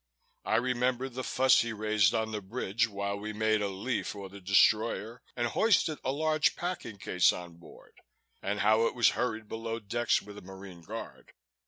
I remembered the fuss he raised on the bridge while we made a lee for the destroyer and hoisted a large packing case on board, and how it was hurried below decks with a Marine guard.